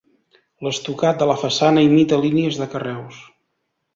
L'estucat de la façana imita línies de carreus.